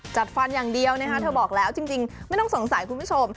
จัดฟันอย่างเดียวนะคะเธอบอกแล้วจริงไม่ต้องสงสัยคุณผู้ชม